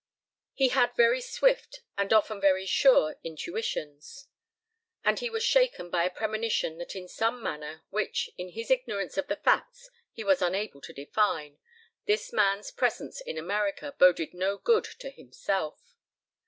He had very swift and often very sure intuitions, and he was shaken by a premonition that in some manner, which, in his ignorance of the facts he was unable to define, this man's presence in America boded no good to himself.